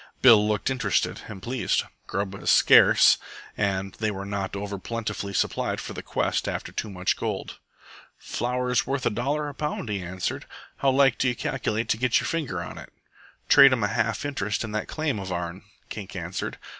Bill looked interested and pleased. Grub as scarce, and they were not over plentifully supplied for the quest after Too Much Gold. "Flour's worth a dollar a pound," he answered. "How like do you calculate to get your finger on it?" "Trade 'm a half interest in that claim of ourn," Kink answered.